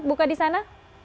buka di sana